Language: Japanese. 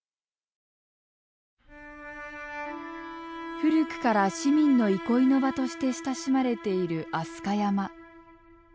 古くから市民の憩いの場として親しまれている飛鳥山。